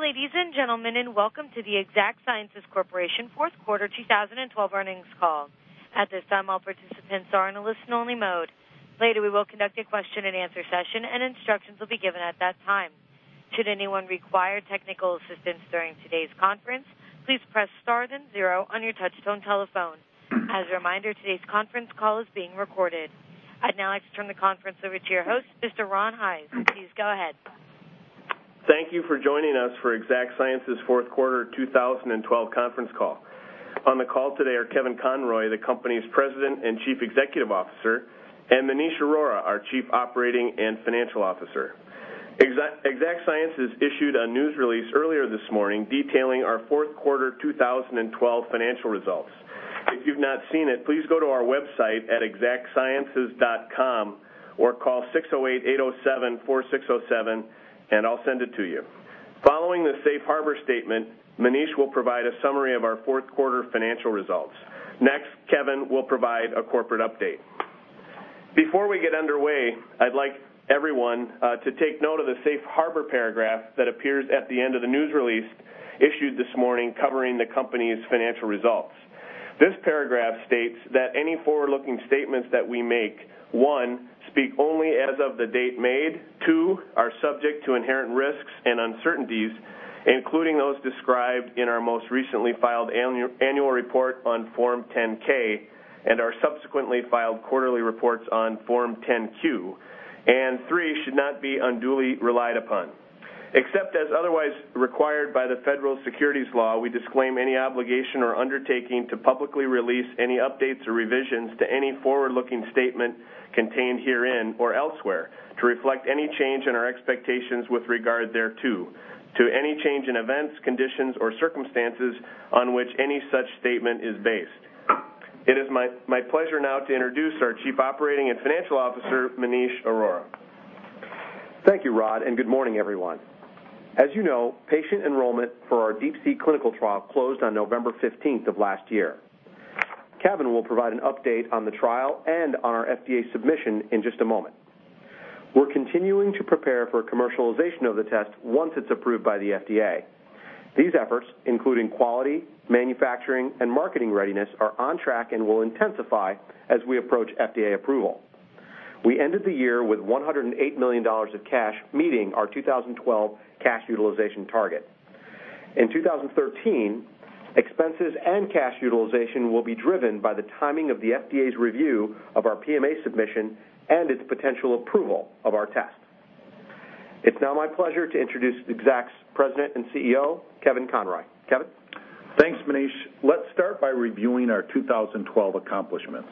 Good day, ladies and gentlemen, and welcome to the Exact Sciences Corporation Fourth Quarter 2012 earnings call. At this time, all participants are in a listen-only mode. Later, we will conduct a question-and-answer session, and instructions will be given at that time. Should anyone require technical assistance during today's conference, please press star then zero on your touchtone telephone. As a reminder, today's conference call is being recorded. I'd now like to turn the conference over to your host, Mr. Rod Hise. Please go ahead. Thank you for joining us for Exact Sciences fourth quarter 2012 conference call. On the call today are Kevin Conroy, the company's President and Chief Executive Officer, and Maneesh Arora, our Chief Operating and Financial Officer. Exact Sciences issued a news release earlier this morning detailing our fourth quarter 2012 financial results. If you've not seen it, please go to our website at Exactsciences.com or call 608-807-4607, and I'll send it to you. Following the safe harbor statement, Maneesh will provide a summary of our fourth quarter financial results. Next, Kevin will provide a corporate update. Before we get underway, I'd like everyone to take note of the safe harbor paragraph that appears at the end of the news release issued this morning covering the company's financial results. This paragraph states that any forward-looking statements that we make, one, speak only as of the date made, two, are subject to inherent risks and uncertainties, including those described in our most recently filed annual report on Form 10-K and our subsequently filed quarterly reports on Form 10-Q, and three, should not be unduly relied upon. Except as otherwise required by the federal securities law, we disclaim any obligation or undertaking to publicly release any updates or revisions to any forward-looking statement contained herein or elsewhere to reflect any change in our expectations with regard thereto, to any change in events, conditions, or circumstances on which any such statement is based. It is my pleasure now to introduce our Chief Operating and Financial Officer, Maneesh Arora. Thank you, Rod, and good morning, everyone. As you know, patient enrollment for our DeeP-C clinical trial closed on November 15th of last year. Kevin will provide an update on the trial and on our FDA submission in just a moment. We're continuing to prepare for commercialization of the test once it's approved by the FDA. These efforts, including quality, manufacturing, and marketing readiness, are on track and will intensify as we approach FDA approval. We ended the year with $108 million of cash, meeting our 2012 cash utilization target. In 2013, expenses and cash utilization will be driven by the timing of the FDA's review of our PMA submission and its potential approval of our test. It's now my pleasure to introduce Exact's President and CEO, Kevin Conroy. Kevin? Thanks, Maneesh. Let's start by reviewing our 2012 accomplishments.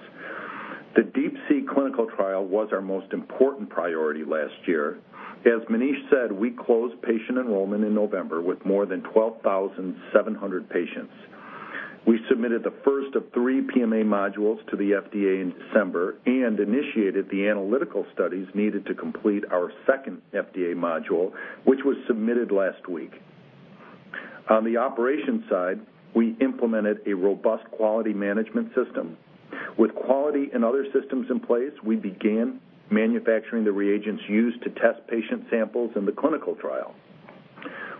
The DeeP-C clinical trial was our most important priority last year. As Maneesh said, we closed patient enrollment in November with more than 12,700 patients. We submitted the first of three PMA modules to the FDA in December and initiated the analytical studies needed to complete our second FDA module, which was submitted last week. On the operations side, we implemented a robust quality management system. With quality and other systems in place, we began manufacturing the reagents used to test patient samples in the clinical trial.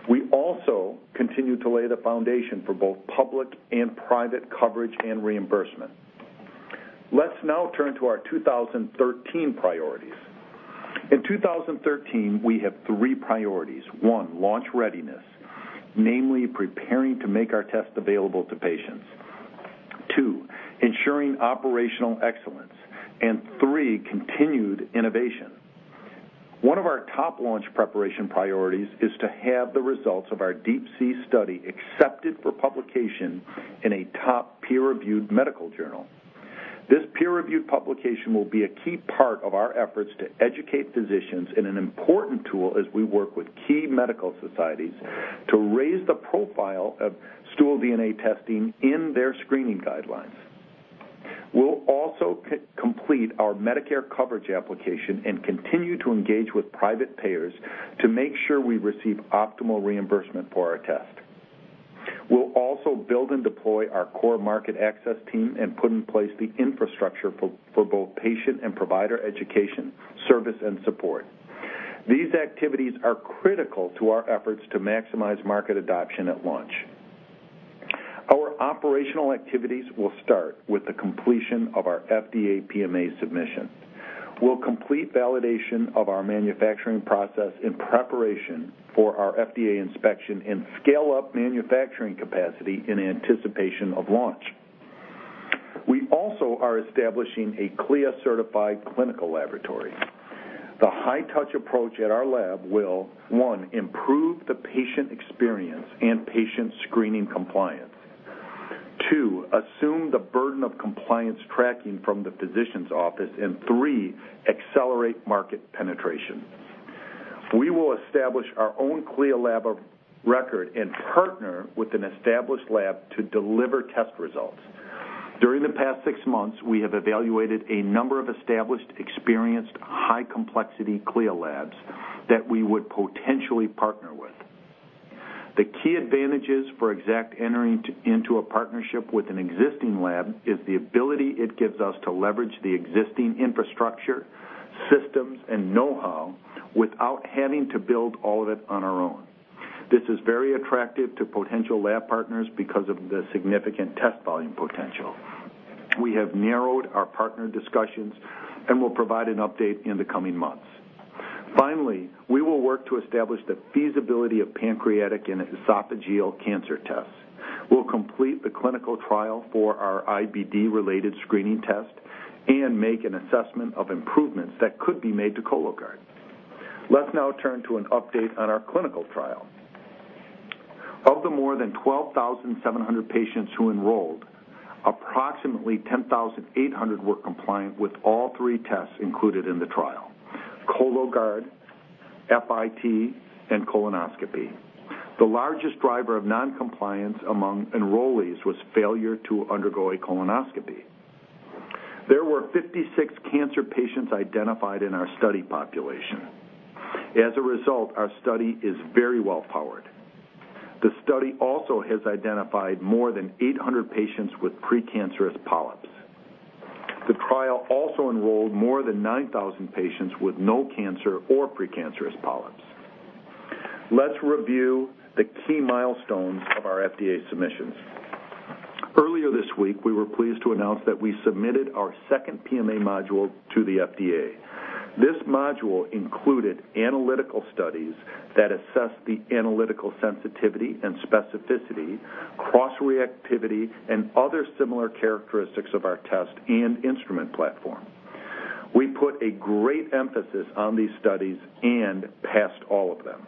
We also continue to lay the foundation for both public and private coverage and reimbursement. Let's now turn to our 2013 priorities. In 2013, we have three priorities. One, launch readiness, namely preparing to make our test available to patients. Two, ensuring operational excellence. And three, continued innovation. One of our top launch preparation priorities is to have the results of our DeeP-C study accepted for publication in a top peer-reviewed medical journal. This peer-reviewed publication will be a key part of our efforts to educate physicians in an important tool as we work with key medical societies to raise the profile of stool DNA testing in their screening guidelines. We'll also complete our Medicare coverage application and continue to engage with private payers to make sure we receive optimal reimbursement for our test. We'll also build and deploy our core market access team and put in place the infrastructure for both patient and provider education, service, and support. These activities are critical to our efforts to maximize market adoption at launch. Our operational activities will start with the completion of our FDA PMA submission. We'll complete validation of our manufacturing process in preparation for our FDA inspection and scale up manufacturing capacity in anticipation of launch. We also are establishing a CLIA-certified clinical laboratory. The high-touch approach at our lab will, one, improve the patient experience and patient screening compliance, two, assume the burden of compliance tracking from the physician's office, and three, accelerate market penetration. We will establish our own CLIA lab of record and partner with an established lab to deliver test results. During the past six months, we have evaluated a number of established, experienced, high-complexity CLIA labs that we would potentially partner with. The key advantages for Exact entering into a partnership with an existing lab is the ability it gives us to leverage the existing infrastructure, systems, and know-how without having to build all of it on our own. This is very attractive to potential lab partners because of the significant test volume potential. We have narrowed our partner discussions and will provide an update in the coming months. Finally, we will work to establish the feasibility of pancreatic and esophageal cancer tests. We'll complete the clinical trial for our IBD-related screening test and make an assessment of improvements that could be made to Cologuard. Let's now turn to an update on our clinical trial. Of the more than 12,700 patients who enrolled, approximately 10,800 were compliant with all three tests included in the trial: Cologuard, FIT, and colonoscopy. The largest driver of noncompliance among enrollees was failure to undergo a colonoscopy. There were 56 cancer patients identified in our study population. As a result, our study is very well-powered. The study also has identified more than 800 patients with precancerous polyps. The trial also enrolled more than 9,000 patients with no cancer or precancerous polyps. Let's review the key milestones of our FDA submissions. Earlier this week, we were pleased to announce that we submitted our second PMA module to the FDA. This module included analytical studies that assess the analytical sensitivity and specificity, cross-reactivity, and other similar characteristics of our test and instrument platform. We put a great emphasis on these studies and passed all of them.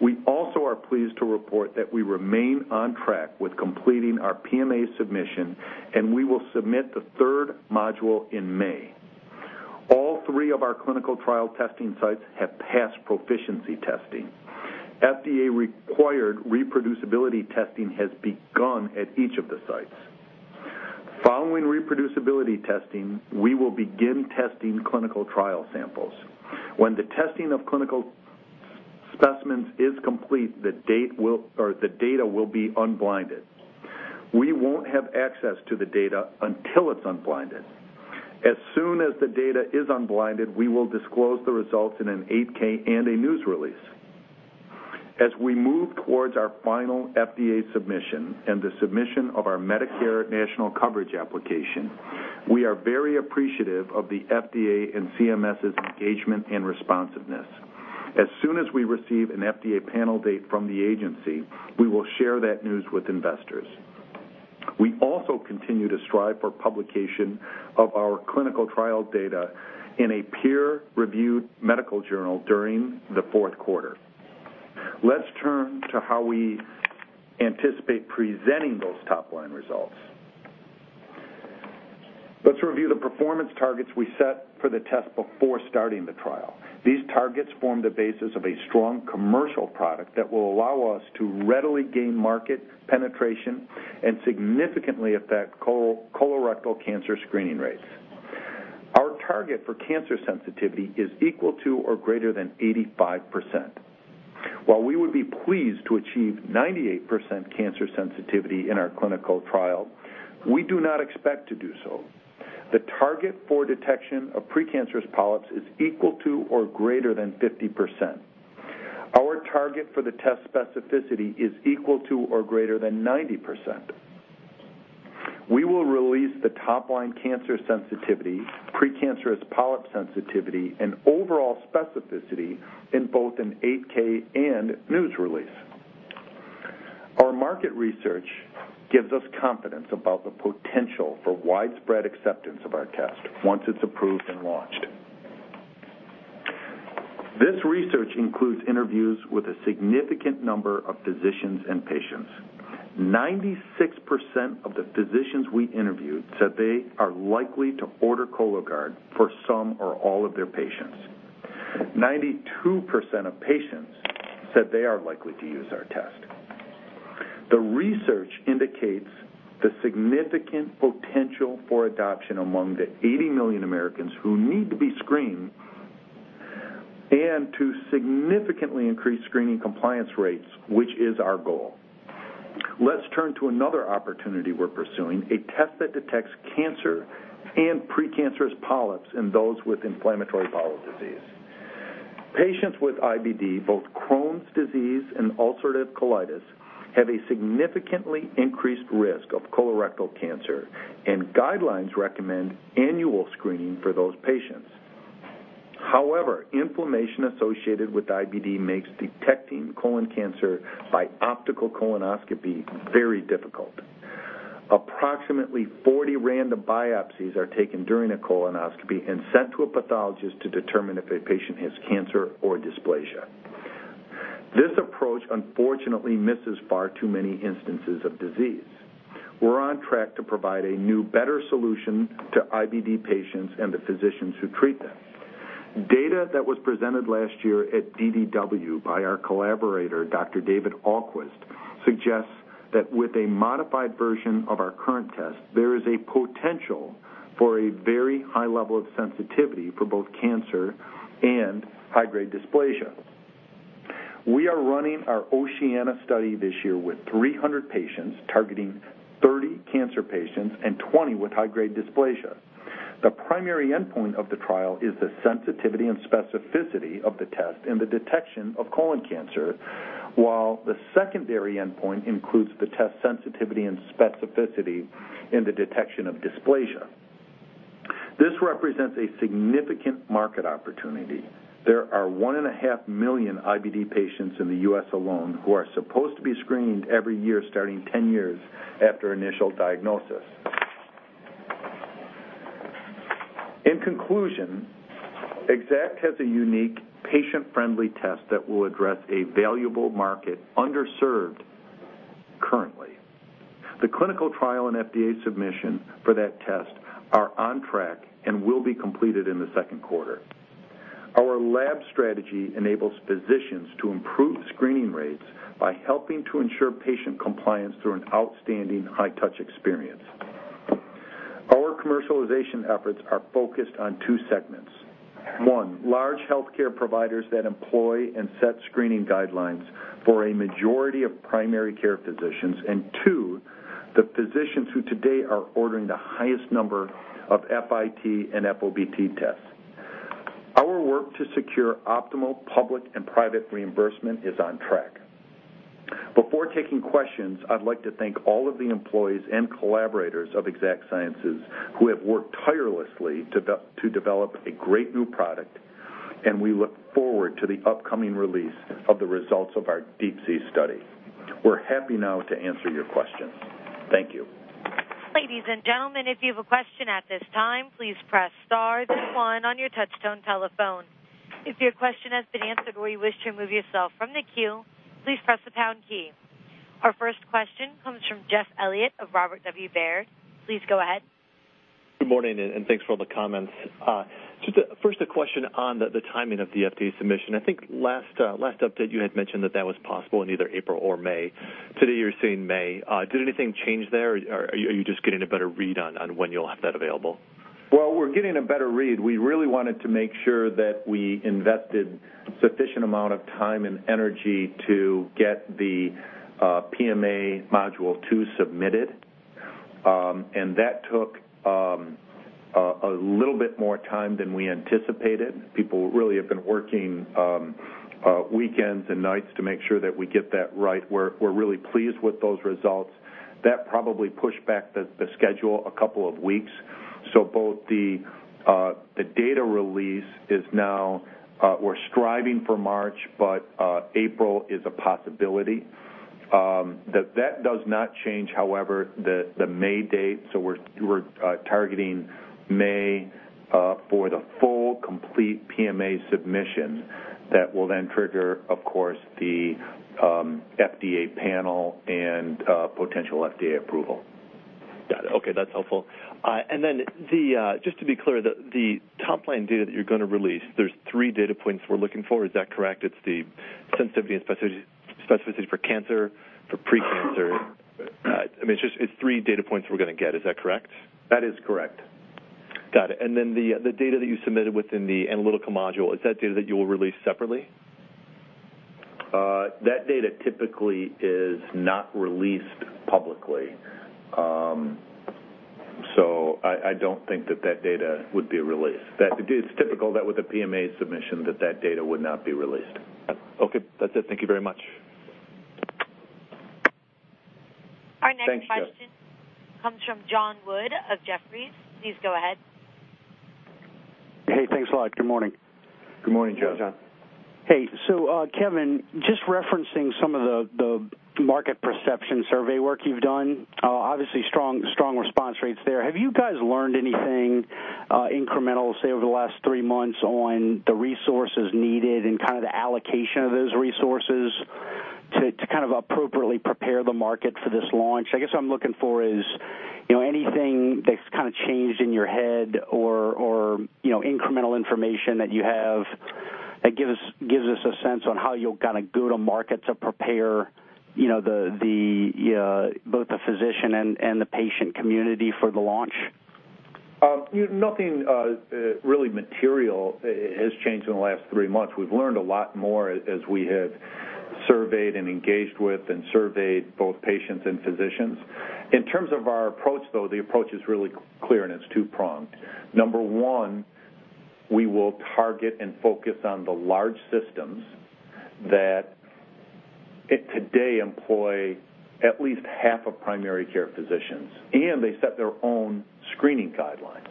We also are pleased to report that we remain on track with completing our PMA submission, and we will submit the third module in May. All three of our clinical trial testing sites have passed proficiency testing. FDA-required reproducibility testing has begun at each of the sites. Following reproducibility testing, we will begin testing clinical trial samples. When the testing of clinical specimens is complete, the data will be unblinded. We won't have access to the data until it's unblinded. As soon as the data is unblinded, we will disclose the results in an 8-K and a news release. As we move towards our final FDA submission and the submission of our Medicare national coverage application, we are very appreciative of the FDA and CMS's engagement and responsiveness. As soon as we receive an FDA panel date from the agency, we will share that news with investors. We also continue to strive for publication of our clinical trial data in a peer-reviewed medical journal during the fourth quarter. Let's turn to how we anticipate presenting those top-line results. Let's review the performance targets we set for the test before starting the trial. These targets form the basis of a strong commercial product that will allow us to readily gain market penetration and significantly affect colorectal cancer screening rates. Our target for cancer sensitivity is equal to or greater than 85%. While we would be pleased to achieve 98% cancer sensitivity in our clinical trial, we do not expect to do so. The target for detection of precancerous polyps is equal to or greater than 50%. Our target for the test specificity is equal to or greater than 90%. We will release the top-line cancer sensitivity, precancerous polyp sensitivity, and overall specificity in both an 8-K and news release. Our market research gives us confidence about the potential for widespread acceptance of our test once it's approved and launched. This research includes interviews with a significant number of physicians and patients. 96% of the physicians we interviewed said they are likely to order Cologuard for some or all of their patients. 92% of patients said they are likely to use our test. The research indicates the significant potential for adoption among the 80 million Americans who need to be screened and to significantly increase screening compliance rates, which is our goal. Let's turn to another opportunity we're pursuing: a test that detects cancer and precancerous polyps in those with inflammatory bowel disease. Patients with IBD, both Crohn's disease and ulcerative colitis, have a significantly increased risk of colorectal cancer, and guidelines recommend annual screening for those patients. However, inflammation associated with IBD makes detecting colon cancer by optical colonoscopy very difficult. Approximately 40 random biopsies are taken during a colonoscopy and sent to a pathologist to determine if a patient has cancer or dysplasia. This approach, unfortunately, misses far too many instances of disease. We're on track to provide a new, better solution to IBD patients and the physicians who treat them. Data that was presented last year at DDW by our collaborator, Dr. David Ahlquist, suggests that with a modified version of our current test, there is a potential for a very high level of sensitivity for both cancer and high-grade dysplasia. We are running our Oceana study this year with 300 patients, targeting 30 cancer patients and 20 with high-grade dysplasia. The primary endpoint of the trial is the sensitivity and specificity of the test in the detection of colon cancer, while the secondary endpoint includes the test sensitivity and specificity in the detection of dysplasia. This represents a significant market opportunity. There are one and a half million IBD patients in the U.S. alone who are supposed to be screened every year starting 10 years after initial diagnosis. In conclusion, Exact has a unique, patient-friendly test that will address a valuable market underserved currently. The clinical trial and FDA submission for that test are on track and will be completed in the second quarter. Our lab strategy enables physicians to improve screening rates by helping to ensure patient compliance through an outstanding high-touch experience. Our commercialization efforts are focused on two segments: one, large healthcare providers that employ and set screening guidelines for a majority of primary care physicians; and two, the physicians who today are ordering the highest number of FIT and FOBT tests. Our work to secure optimal public and private reimbursement is on track. Before taking questions, I'd like to thank all of the employees and collaborators of Exact Sciences who have worked tirelessly to develop a great new product, and we look forward to the upcoming release of the results of our DeeP-C study. We're happy now to answer your questions. Thank you. Ladies and gentlemen, if you have a question at this time, please press star then one on your touch-tone telephone. If your question has been answered or you wish to remove yourself from the queue, please press the pound key. Our first question comes from Jeff Elliott of Robert W. Baird. Please go ahead. Good morning, and thanks for all the comments. First, a question on the timing of the FDA submission. I think last update you had mentioned that that was possible in either April or May. Today, you're saying May. Did anything change there, or are you just getting a better read on when you'll have that available? We're getting a better read. We really wanted to make sure that we invested sufficient amount of time and energy to get the PMA module two submitted, and that took a little bit more time than we anticipated. People really have been working weekends and nights to make sure that we get that right. We're really pleased with those results. That probably pushed back the schedule a couple of weeks. Both the data release is now—we're striving for March, but April is a possibility. That does not change, however, the May date. We're targeting May for the full complete PMA submission that will then trigger, of course, the FDA panel and potential FDA approval. Got it. Okay. That's helpful. Just to be clear, the top-line data that you're going to release, there are three data points we're looking for. Is that correct? It's the sensitivity and specificity for cancer, for precancer. I mean, it's three data points we're going to get. Is that correct? That is correct. Got it. The data that you submitted within the analytical module, is that data that you will release separately? That data typically is not released publicly. I do not think that data would be released. It is typical that with a PMA submission that data would not be released. Okay. That is it. Thank you very much. Our next question comes from John Wood of Jefferies. Please go ahead. Hey, thanks a lot. Good morning. Good morning, John. Hey. Kevin, just referencing some of the market perception survey work you have done, obviously strong response rates there. Have you guys learned anything incremental, say, over the last three months on the resources needed and kind of the allocation of those resources to appropriately prepare the market for this launch? I guess what I'm looking for is anything that's kind of changed in your head or incremental information that you have that gives us a sense on how you'll kind of go to market to prepare both the physician and the patient community for the launch? Nothing really material has changed in the last three months. We've learned a lot more as we have surveyed and engaged with and surveyed both patients and physicians. In terms of our approach, though, the approach is really clear, and it's two-pronged. Number one, we will target and focus on the large systems that today employ at least half of primary care physicians, and they set their own screening guidelines.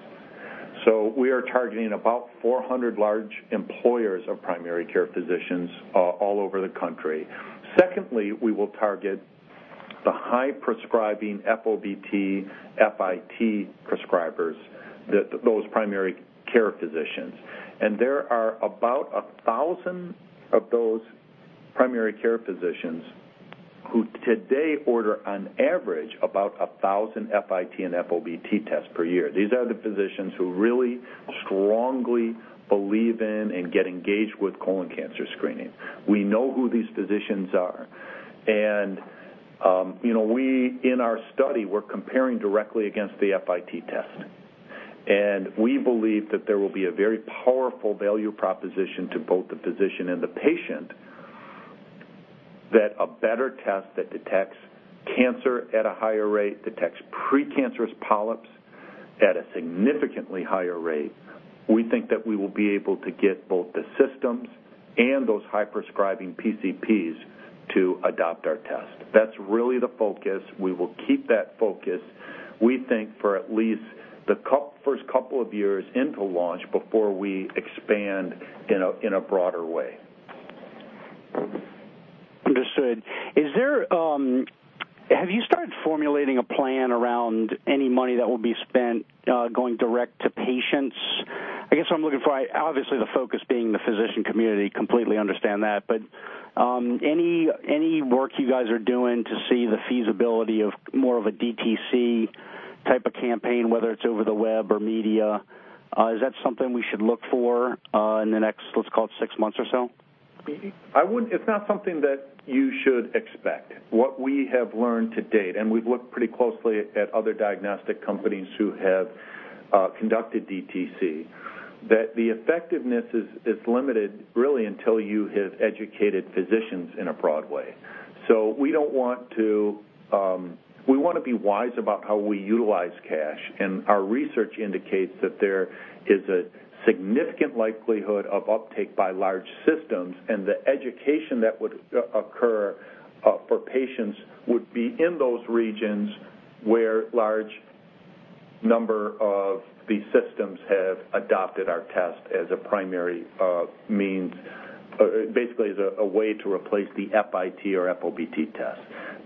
So we are targeting about 400 large employers of primary care physicians all over the country. Secondly, we will target the high-prescribing FOBT, FIT prescribers, those primary care physicians. There are about 1,000 of those primary care physicians who today order, on average, about 1,000 FIT and FOBT tests per year. These are the physicians who really strongly believe in and get engaged with colon cancer screening. We know who these physicians are. In our study, we're comparing directly against the FIT test. We believe that there will be a very powerful value proposition to both the physician and the patient that a better test that detects cancer at a higher rate, detects precancerous polyps at a significantly higher rate, we think that we will be able to get both the systems and those high-prescribing PCPs to adopt our test. That's really the focus. We will keep that focus, we think, for at least the first couple of years into launch before we expand in a broader way. Understood. Have you started formulating a plan around any money that will be spent going direct to patients? I guess what I'm looking for, obviously, the focus being the physician community, completely understand that. Any work you guys are doing to see the feasibility of more of a DTC type of campaign, whether it's over the web or media, is that something we should look for in the next, let's call it, six months or so? It's not something that you should expect. What we have learned to date, and we've looked pretty closely at other diagnostic companies who have conducted DTC, that the effectiveness is limited really until you have educated physicians in a broad way. We don't want to—we want to be wise about how we utilize cash. Our research indicates that there is a significant likelihood of uptake by large systems, and the education that would occur for patients would be in those regions where a large number of these systems have adopted our test as a primary means, basically as a way to replace the FIT or FOBT test.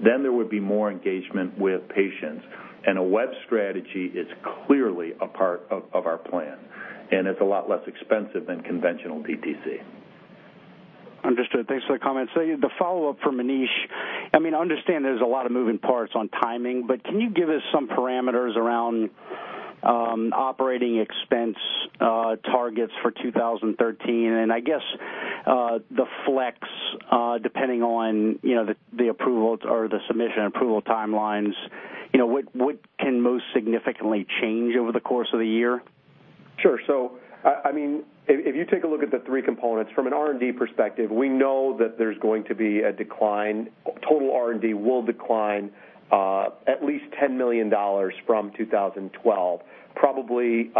There would be more engagement with patients. A web strategy is clearly a part of our plan, and it is a lot less expensive than conventional DTC. Understood. Thanks for the comments. The follow-up for Maneesh—I mean, I understand there is a lot of moving parts on timing, but can you give us some parameters around operating expense targets for 2013? I guess the flex, depending on the approval or the submission approval timelines, what can most significantly change over the course of the year? Sure. So I mean, if you take a look at the three components, from an R&D perspective, we know that there's going to be a decline. Total R&D will decline at least $10 million from 2012, probably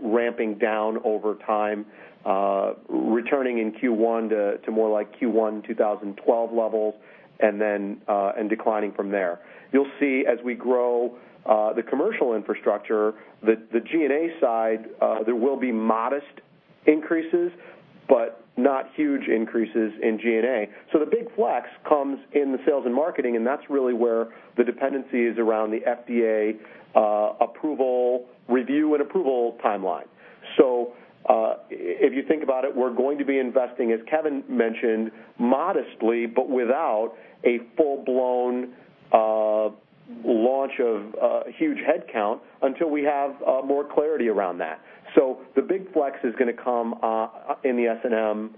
ramping down over time, returning in Q1 to more like Q1 2012 levels, and then declining from there. You'll see as we grow the commercial infrastructure, the G&A side, there will be modest increases, but not huge increases in G&A. So the big flex comes in the sales and marketing, and that's really where the dependency is around the FDA approval review and approval timeline. So if you think about it, we're going to be investing, as Kevin mentioned, modestly, but without a full-blown launch of huge headcount until we have more clarity around that. The big flex is going to come in the S&M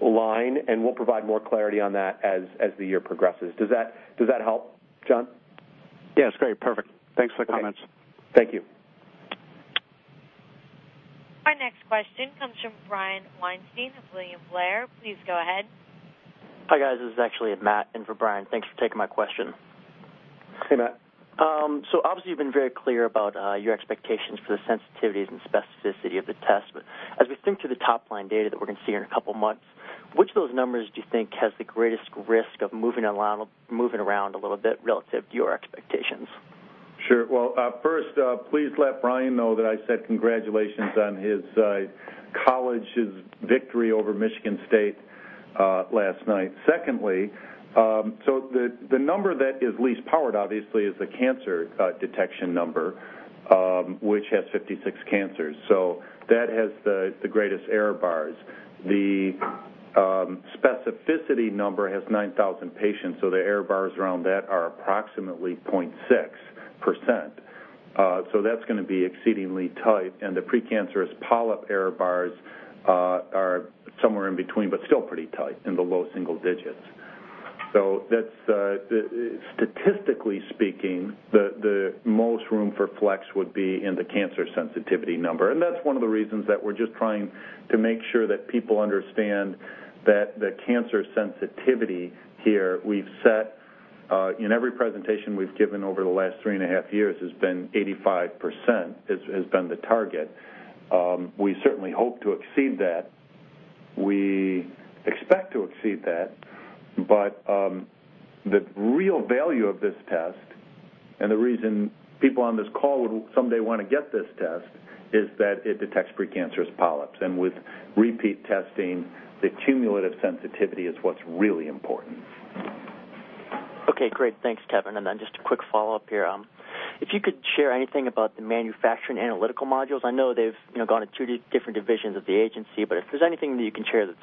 line, and we'll provide more clarity on that as the year progresses. Does that help, John? Yeah. It's great. Perfect. Thanks for the comments. Thank you. Our next question comes from Brian Weinstein of William Blair. Please go ahead. Hi, guys. This is actually Matt in for Brian. Thanks for taking my question. Hey, Matt. Obviously, you've been very clear about your expectations for the sensitivities and specificity of the test. As we think to the top-line data that we're going to see in a couple of months, which of those numbers do you think has the greatest risk of moving around a little bit relative to your expectations? Sure. First, please let Brian know that I said congratulations on his college's victory over Michigan State last night. Secondly, the number that is least powered, obviously, is the cancer detection number, which has 56 cancers. That has the greatest error bars. The specificity number has 9,000 patients, so the error bars around that are approximately 0.6%. That is going to be exceedingly tight. The precancerous polyp error bars are somewhere in between, but still pretty tight in the low single digits. Statistically speaking, the most room for flex would be in the cancer sensitivity number. That is one of the reasons that we are just trying to make sure that people understand that the cancer sensitivity here we have set in every presentation we have given over the last three and a half years has been 85% has been the target. We certainly hope to exceed that. We expect to exceed that. The real value of this test and the reason people on this call would someday want to get this test is that it detects precancerous polyps. With repeat testing, the cumulative sensitivity is what's really important. Okay. Great. Thanks, Kevin. Just a quick follow-up here. If you could share anything about the manufacturing analytical modules. I know they've gone to two different divisions of the agency, but if there's anything that you can share that's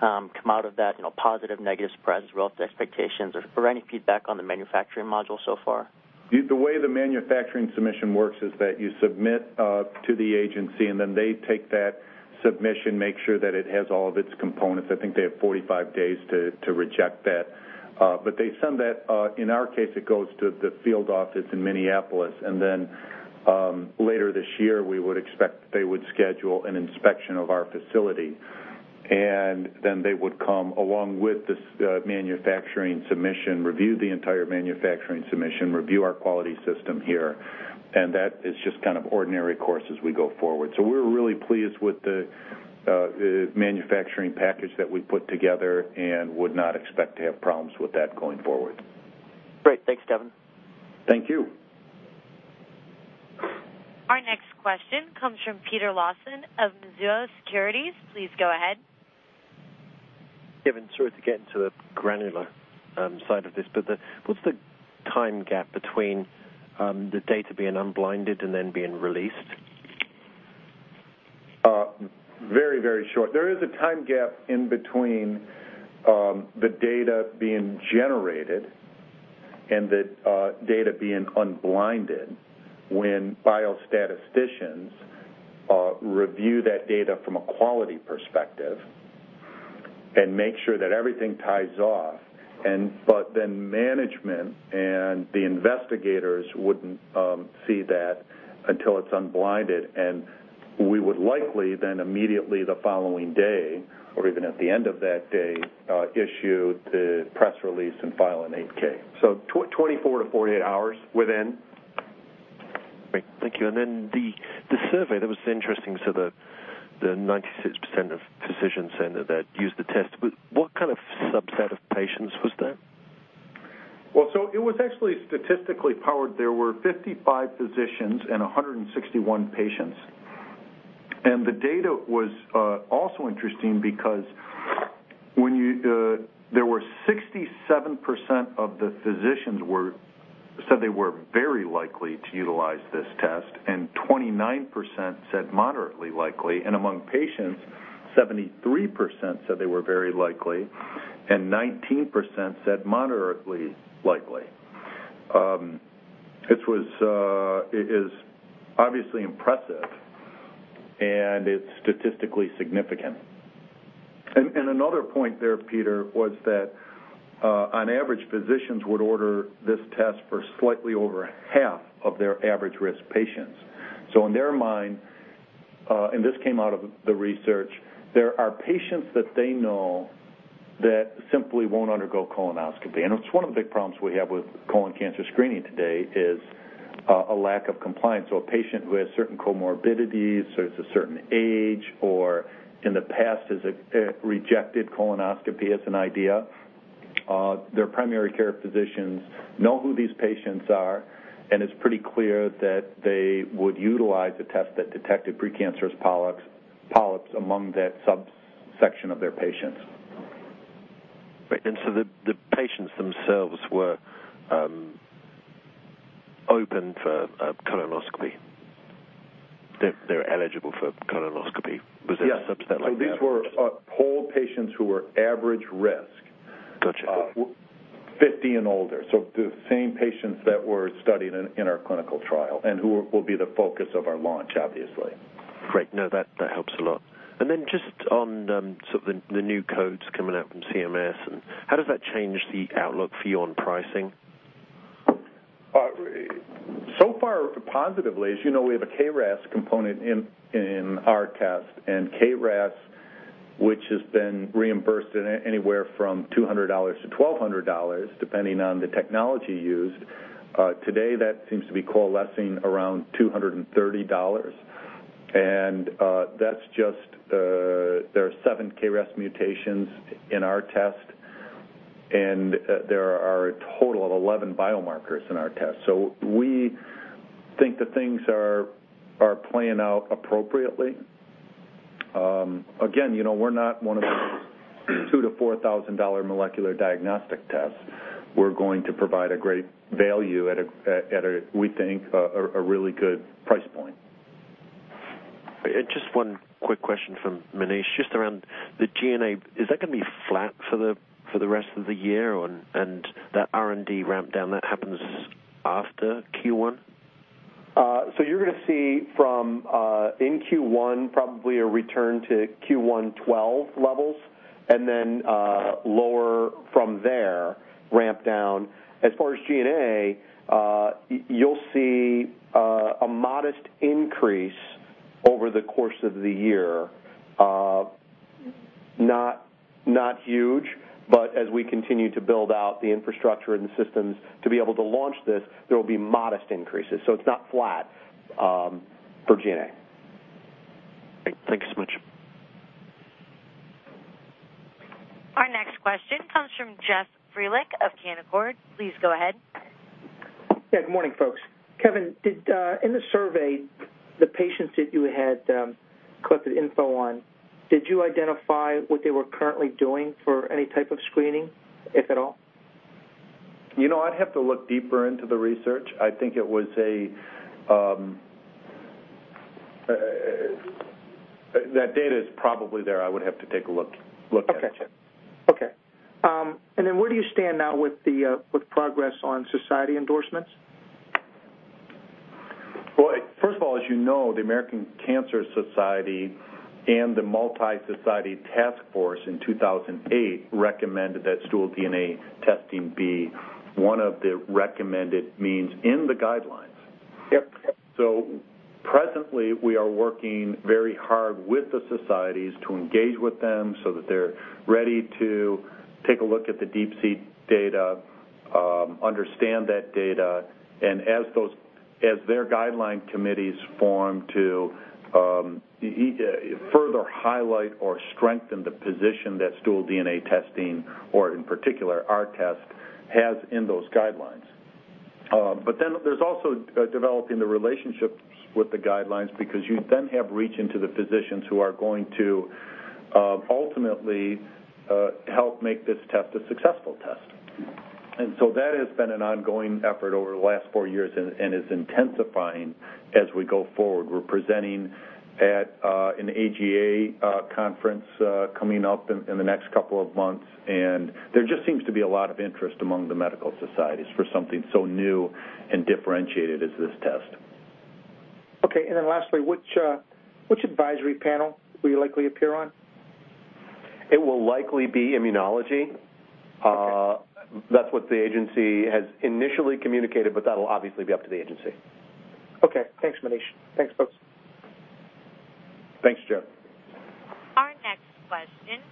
come out of that, positive, negative, surprises, real expectations, or any feedback on the manufacturing module so far? The way the manufacturing submission works is that you submit to the agency, and then they take that submission, make sure that it has all of its components. I think they have 45 days to reject that. They send that. In our case, it goes to the field office in Minneapolis. Later this year, we would expect they would schedule an inspection of our facility. They would come along with the manufacturing submission, review the entire manufacturing submission, review our quality system here. That is just kind of ordinary course as we go forward. We are really pleased with the manufacturing package that we put together and would not expect to have problems with that going forward. Great. Thanks, Kevin. Thank you. Our next question comes from Peter Lawson of Mizuho Securities. Please go ahead. Kevin, sorry to get into the granular side of this, but what is the time gap between the data being unblinded and then being released? Very, very short. There is a time gap in between the data being generated and the data being unblinded when biostatisticians review that data from a quality perspective and make sure that everything ties off. Then management and the investigators would not see that until it is unblinded. We would likely then immediately the following day or even at the end of that day issue the press release and file an 8-K. So 24-48 hours within. Great. Thank you. The survey, that was interesting. The 96% of physicians said that used the test. What kind of subset of patients was that? It was actually statistically powered. There were 55 physicians and 161 patients. The data was also interesting because there were 67% of the physicians who said they were very likely to utilize this test, and 29% said moderately likely. Among patients, 73% said they were very likely, and 19% said moderately likely. It was obviously impressive, and it is statistically significant. Another point there, Peter, was that on average, physicians would order this test for slightly over half of their average risk patients. In their mind, and this came out of the research, there are patients that they know that simply will not undergo colonoscopy. It is one of the big problems we have with colon cancer screening today, a lack of compliance. A patient who has certain comorbidities or a certain age or in the past has rejected colonoscopy as an idea, their primary care physicians know who these patients are, and it is pretty clear that they would utilize a test that detected precancerous polyps among that subsection of their patients. Right. The patients themselves were open for a colonoscopy. They were eligible for colonoscopy. Was that a subset like that? Yeah. These were polled patients who were average risk, 50 and older. The same patients that were studied in our clinical trial and who will be the focus of our launch, obviously. Great. No, that helps a lot. And then just on sort of the new codes coming out from CMS, how does that change the outlook for you on pricing? So far, positively. As you know, we have a KRAS component in our test and KRAS, which has been reimbursed anywhere from $200 to $1,200, depending on the technology used. Today, that seems to be coalescing around $230. And that's just there are seven KRAS mutations in our test, and there are a total of 11 biomarkers in our test. We think that things are playing out appropriately. Again, we're not one of those $2,000-$4,000 molecular diagnostic tests. We're going to provide a great value at, we think, a really good price point. Just one quick question from Maneesh, just around the G&A. Is that going to be flat for the rest of the year? Is that R&D ramp down, that happens after Q1? You are going to see from in Q1, probably a return to Q1 2012 levels, and then lower from there, ramp down. As far as G&A, you will see a modest increase over the course of the year. Not huge, but as we continue to build out the infrastructure and the systems to be able to launch this, there will be modest increases. It is not flat for G&A. Thanks so much. Our next question comes from Jeff Frelick of Canaccord. Please go ahead. Yeah. Good morning, folks. Kevin, in the survey, the patients that you had collected info on, did you identify what they were currently doing for any type of screening, if at all? I'd have to look deeper into the research. I think it was a—that data is probably there. I would have to take a look at it. Okay. Okay. Where do you stand now with progress on society endorsements? First of all, as you know, the American Cancer Society and the Multi-Society Task Force in 2008 recommended that stool DNA testing be one of the recommended means in the guidelines. Presently, we are working very hard with the societies to engage with them so that they're ready to take a look at the DeeP-C data, understand that data. As their guideline committees form to further highlight or strengthen the position that stool DNA testing, or in particular, our test, has in those guidelines. But then there's also developing the relationships with the guidelines because you then have reach into the physicians who are going to ultimately help make this test a successful test. That has been an ongoing effort over the last four years and is intensifying as we go forward. We're presenting at an AGA conference coming up in the next couple of months. There just seems to be a lot of interest among the medical societies for something so new and differentiated as this test. Okay. Lastly, which advisory panel will you likely appear on? It will likely be Immunology. That's what the agency has initially communicated, but that'll obviously be up to the agency. Okay. Thanks, Maneesh. Thanks, folks. Thanks, Jeff. Our next question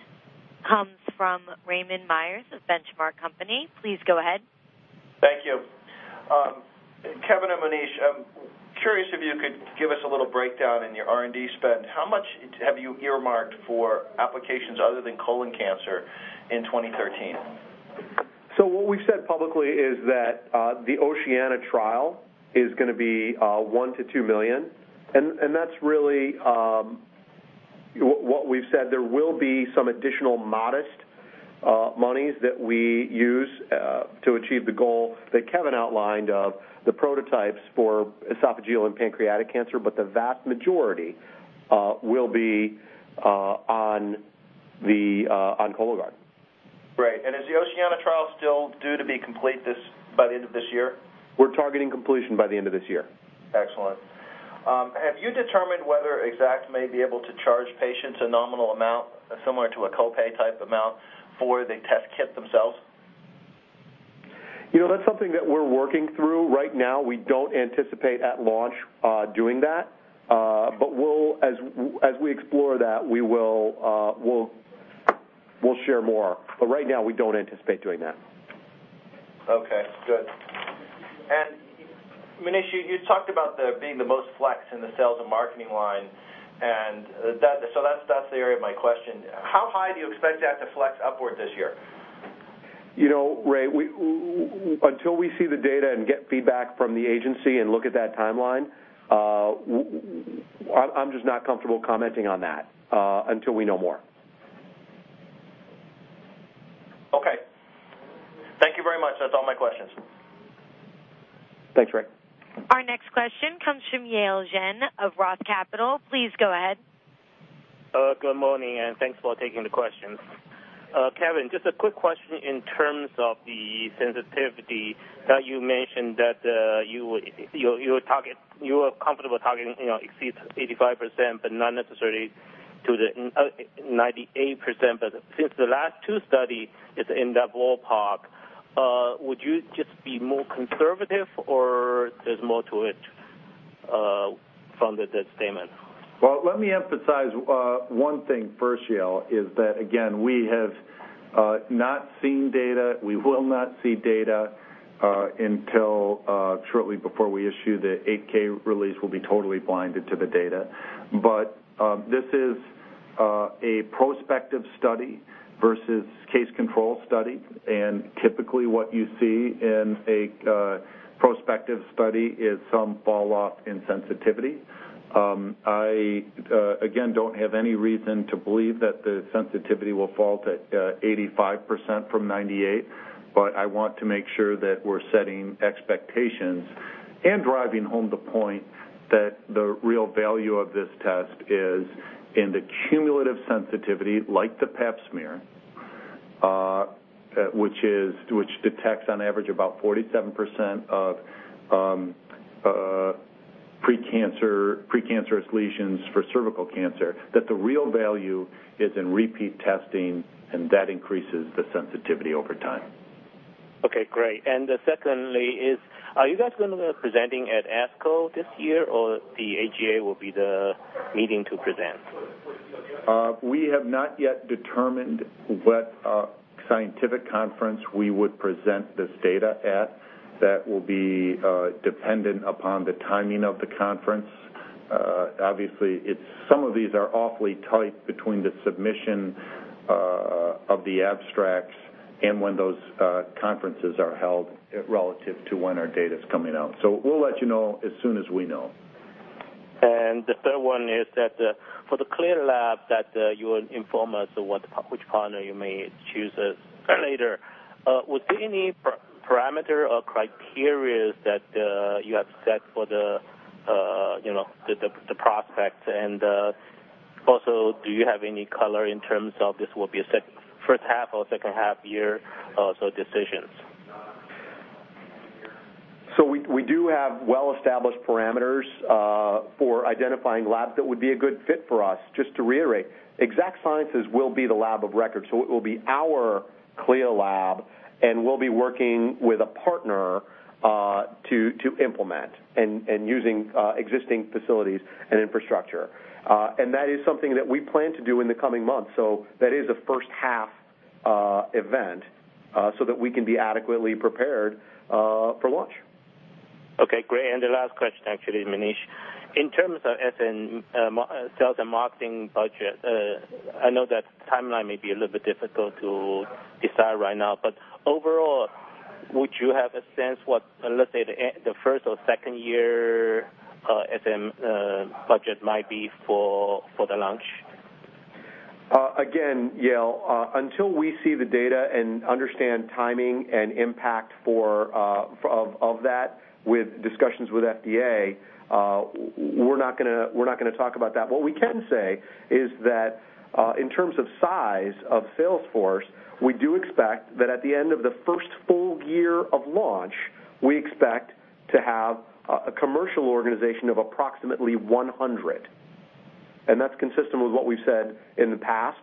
comes from Raymond Myers of Benchmark Company. Please go ahead. Thank you. Kevin and Maneesh, curious if you could give us a little breakdown in your R&D spend. How much have you earmarked for applications other than colon cancer in 2013? What we've said publicly is that the Oceana trial is going to be $1 million-$2 million. That's really what we've said. There will be some additional modest monies that we use to achieve the goal that Kevin outlined of the prototypes for esophageal and pancreatic cancer, but the vast majority will be on Cologuard. Right. Is the Oceana trial still due to be complete by the end of this year? We're targeting completion by the end of this year. Excellent. Have you determined whether Exact may be able to charge patients a nominal amount similar to a copay type amount for the test kit themselves? That's something that we're working through. Right now, we don't anticipate at launch doing that. As we explore that, we'll share more. Right now, we don't anticipate doing that. Okay. Good. And Maneesh, you talked about being the most flex in the sales and marketing line. That's the area of my question. How high do you expect that to flex upward this year? Ray, until we see the data and get feedback from the agency and look at that timeline, I'm just not comfortable commenting on that until we know more. Okay. Thank you very much. That's all my questions. Thanks, Ray. Our next question comes from Yale Jen of Roth Capital. Please go ahead. Good morning, and thanks for taking the question. Kevin, just a quick question in terms of the sensitivity that you mentioned that you were comfortable targeting exceeds 85%, but not necessarily to the 98%. Since the last two studies, it's in that ballpark. Would you just be more conservative, or there's more to it from that statement? Let me emphasize one thing first, Yale, is that, again, we have not seen data. We will not see data until shortly before we issue the 8-K release. We'll be totally blinded to the data. This is a prospective study versus case control study. Typically, what you see in a prospective study is some falloff in sensitivity. I, again, don't have any reason to believe that the sensitivity will fall to 85% from 98%. I want to make sure that we're setting expectations and driving home the point that the real value of this test is in the cumulative sensitivity, like the Pap smear, which detects on average about 47% of precancerous lesions for cervical cancer, that the real value is in repeat testing, and that increases the sensitivity over time. Okay. Great. Secondly, are you guys going to be presenting at ASCO this year, or the AGA will be the meeting to present? We have not yet determined what scientific conference we would present this data at. That will be dependent upon the timing of the conference. Obviously, some of these are awfully tight between the submission of the abstracts and when those conferences are held relative to when our data is coming out. We will let you know as soon as we know. The third one is that for the CLIA lab, you will inform us which partner you may choose later. Was there any parameter or criteria that you have set for the prospect? Also, do you have any color in terms of this will be a first half or second half year decision? We do have well-established parameters for identifying labs that would be a good fit for us. Just to reiterate, Exact Sciences will be the lab of record. It will be our CLIA lab, and we will be working with a partner to implement and use existing facilities and infrastructure. That is something that we plan to do in the coming months. That is a first half event so that we can be adequately prepared for launch. Okay. Great. The last question, actually, Maneesh. In terms of sales and marketing budget, I know that timeline may be a little bit difficult to decide right now. But overall, would you have a sense what, let's say, the first or second year budget might be for the launch? Again, Yale, until we see the data and understand timing and impact of that with discussions with FDA, we're not going to talk about that. What we can say is that in terms of size of Salesforce, we do expect that at the end of the first full year of launch, we expect to have a commercial organization of approximately 100. And that's consistent with what we've said in the past.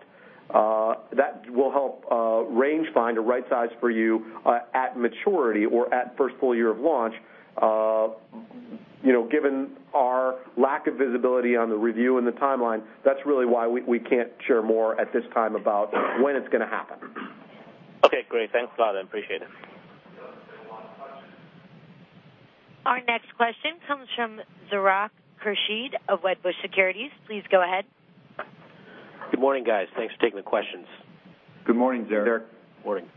That will help range find a right size for you at maturity or at first full year of launch. Given our lack of visibility on the review and the timeline, that's really why we can't share more at this time about when it's going to happen. Okay. Great. Thanks a lot. I appreciate it. Our next question comes from Zarak Khurshid of Wedbush Securities. Please go ahead. Good morning, guys. Thanks for taking the questions. Good morning, Zarak. Good morning.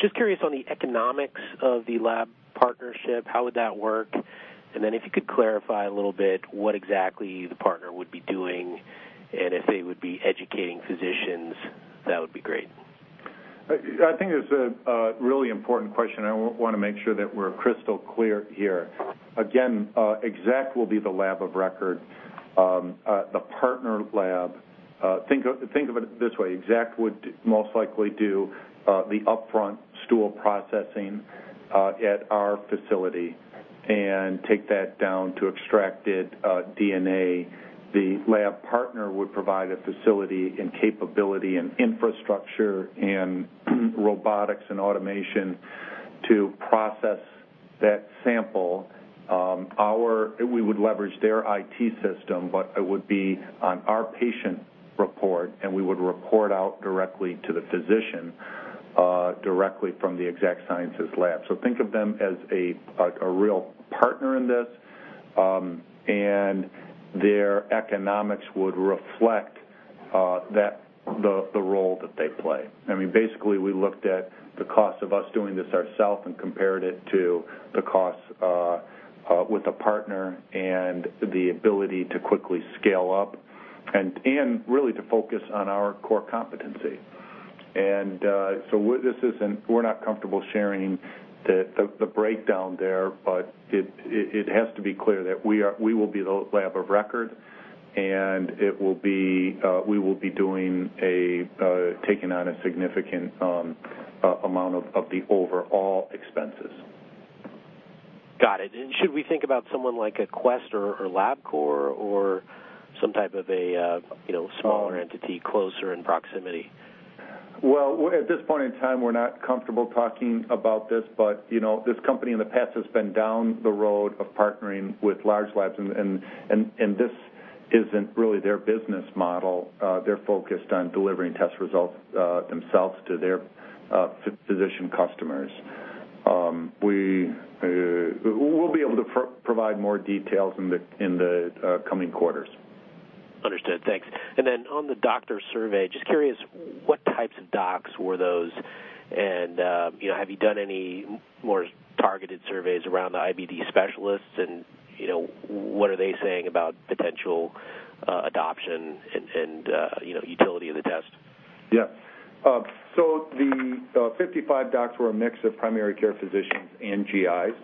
Just curious on the economics of the lab partnership, how would that work? If you could clarify a little bit what exactly the partner would be doing and if they would be educating physicians, that would be great. I think it's a really important question. I want to make sure that we're crystal clear here. Again, Exact will be the lab of record, the partner lab. Think of it this way. Exact would most likely do the upfront stool processing at our facility and take that down to extracted DNA. The lab partner would provide a facility and capability and infrastructure and robotics and automation to process that sample. We would leverage their IT system, but it would be on our patient report, and we would report out directly to the physician directly from the Exact Sciences lab. Think of them as a real partner in this. Their economics would reflect the role that they play. I mean, basically, we looked at the cost of us doing this ourselves and compared it to the cost with a partner and the ability to quickly scale up and really to focus on our core competency. We're not comfortable sharing the breakdown there, but it has to be clear that we will be the lab of record, and we will be taking on a significant amount of the overall expenses. Got it. Should we think about someone like a Quest or LabCorp or some type of a smaller entity closer in proximity? At this point in time, we're not comfortable talking about this. This company in the past has been down the road of partnering with large labs, and this isn't really their business model. They're focused on delivering test results themselves to their physician customers. We'll be able to provide more details in the coming quarters. Understood. Thanks. And then on the doctor survey, just curious, what types of docs were those? Have you done any more targeted surveys around the IBD specialists? What are they saying about potential adoption and utility of the test? Yeah. The 55 docs were a mix of primary care physicians and GIs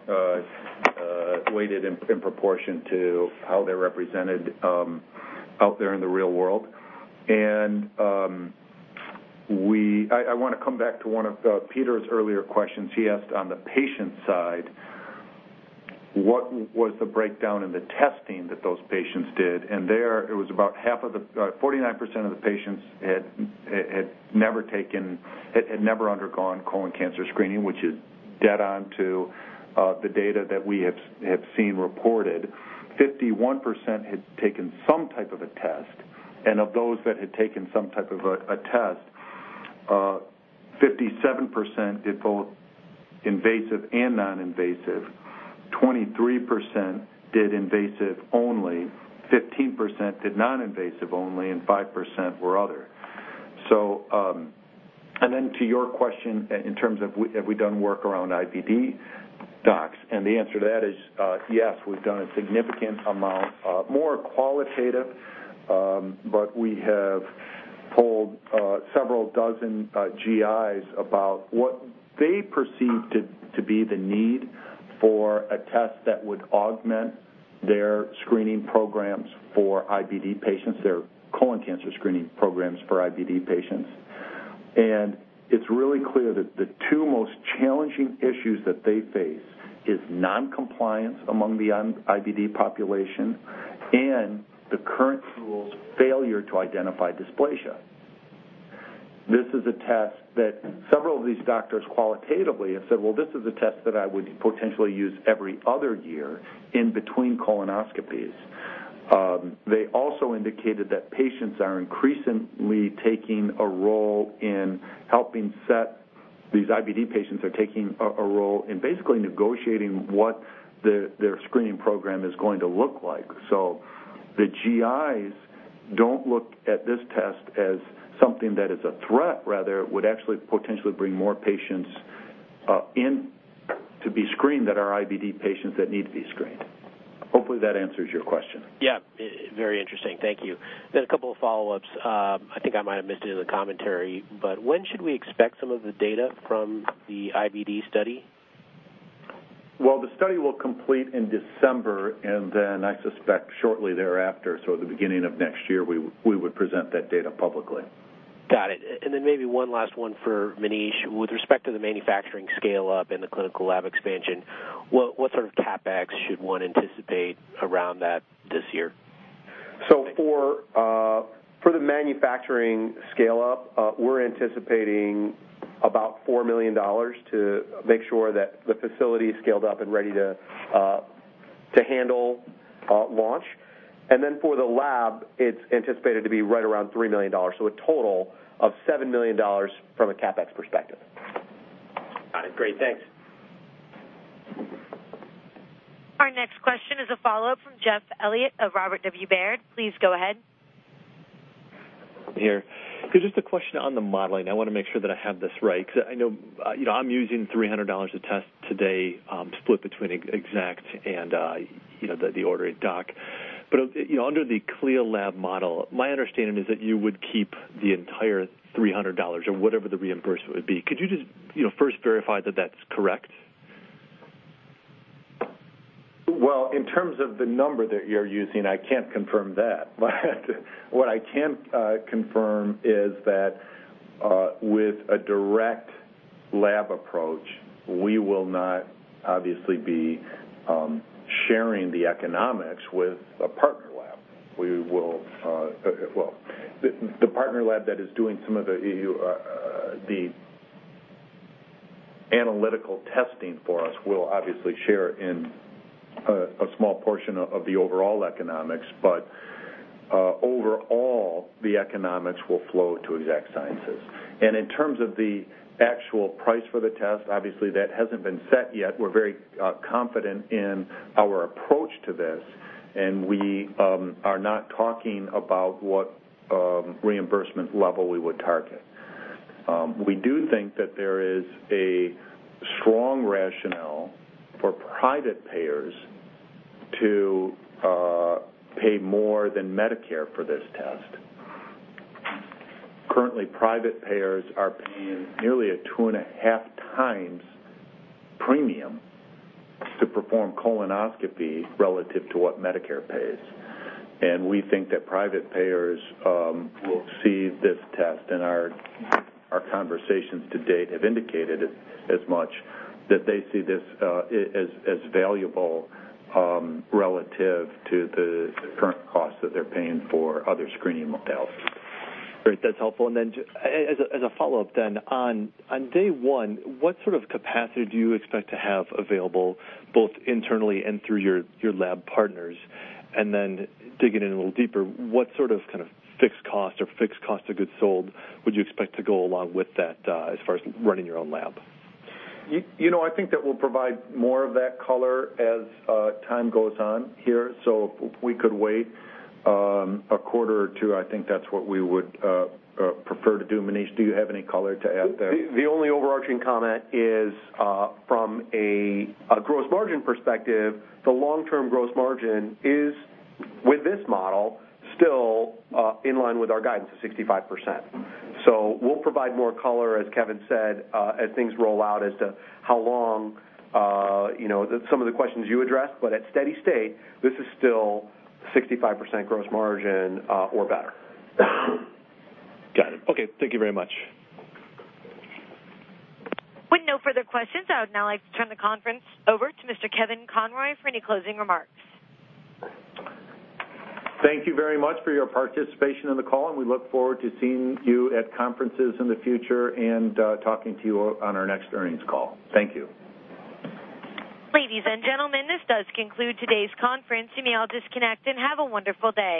weighted in proportion to how they're represented out there in the real world. I want to come back to one of Peter's earlier questions. He asked on the patient side, what was the breakdown in the testing that those patients did? There, it was about half of the 49% of the patients had never taken, had never undergone colon cancer screening, which is dead on to the data that we have seen reported. 51% had taken some type of a test. Of those that had taken some type of a test, 57% did both invasive and non-invasive. 23% did invasive only. 15% did non-invasive only, and 5% were other. To your question in terms of, have we done work around IBD docs? The answer to that is yes, we've done a significant amount, more qualitative, but we have polled several dozen GIs about what they perceive to be the need for a test that would augment their screening programs for IBD patients, their colon cancer screening programs for IBD patients. It's really clear that the two most challenging issues that they face are non-compliance among the IBD population and the current tools' failure to identify dysplasia. This is a test that several of these doctors qualitatively have said, "Well, this is a test that I would potentially use every other year in between colonoscopies." They also indicated that patients are increasingly taking a role in helping set these IBD patients are taking a role in basically negotiating what their screening program is going to look like. The GIs do not look at this test as something that is a threat. Rather, it would actually potentially bring more patients in to be screened than our IBD patients that need to be screened. Hopefully, that answers your question. Yeah. Very interesting. Thank you. A couple of follow-ups. I think I might have missed it in the commentary. When should we expect some of the data from the IBD study? The study will complete in December, and then I suspect shortly thereafter, so the beginning of next year, we would present that data publicly. Got it. And then maybe one last one for Maneesh. With respect to the manufacturing scale-up and the clinical lab expansion, what sort of CapEx should one anticipate around that this year? For the manufacturing scale-up, we're anticipating about $4 million to make sure that the facility is scaled up and ready to handle launch. For the lab, it's anticipated to be right around $3 million. A total of $7 million from a CapEx perspective. Got it. Great. Thanks. Our next question is a follow-up from Jeff Elliott of Robert W. Baird. Please go ahead. Here. Just a question on the modeling. I want to make sure that I have this right because I know I'm using $300 a test today split between Exact and the ordering doc. Under the CLIA lab model, my understanding is that you would keep the entire $300 or whatever the reimbursement would be. Could you just first verify that that's correct? In terms of the number that you're using, I can't confirm that. What I can confirm is that with a direct lab approach, we will not obviously be sharing the economics with a partner lab. The partner lab that is doing some of the analytical testing for us will obviously share in a small portion of the overall economics. Overall, the economics will flow to Exact Sciences. In terms of the actual price for the test, obviously, that hasn't been set yet. We're very confident in our approach to this, and we are not talking about what reimbursement level we would target. We do think that there is a strong rationale for private payers to pay more than Medicare for this test. Currently, private payers are paying nearly a 2.5x premium to perform colonoscopy relative to what Medicare pays. We think that private payers will see this test, and our conversations to date have indicated as much that they see this as valuable relative to the current cost that they're paying for other screening modalities. Great. That's helpful. Then as a follow-up, on day one, what sort of capacity do you expect to have available both internally and through your lab partners? Digging in a little deeper, what sort of kind of fixed cost or fixed cost of goods sold would you expect to go along with that as far as running your own lab? I think that we'll provide more of that color as time goes on here. If we could wait a quarter or two, I think that's what we would prefer to do. Maneesh, do you have any color to add there? The only overarching comment is from a gross margin perspective, the long-term gross margin is, with this model, still in line with our guidance of 65%. We'll provide more color, as Kevin said, as things roll out as to how long some of the questions you addressed. At steady state, this is still 65% gross margin or better. Got it. Okay. Thank you very much. With no further questions, I would now like to turn the conference over to Mr. Kevin Conroy for any closing remarks. Thank you very much for your participation in the call, and we look forward to seeing you at conferences in the future and talking to you on our next earnings call. Thank you. Ladies and gentlemen, this does conclude today's conference. You may all disconnect and have a wonderful day.